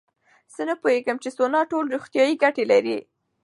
زه نه پوهېږم چې سونا ټول روغتیایي ګټې لري.